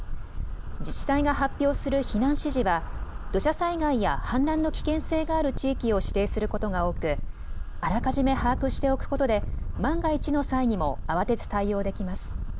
自治体が発表する避難指示は土砂災害や氾濫の危険性がある地域を指定することが多くあらかじめ把握しておくことで万が一の際にも慌てず対応できます。